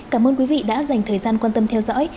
cảm ơn quý vị đã dành thời gian quan tâm theo dõi